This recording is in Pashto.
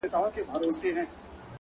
خو ما د لاس په دسمال ووهي ويده سمه زه،